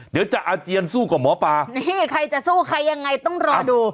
เดี๋ยวจะอาเจียนสู้กับหมอปลานี่ใครจะสู้ใครยังไงต้องรอดู